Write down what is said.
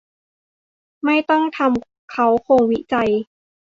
ไม่ต้องทำเค้าโครงวิจัย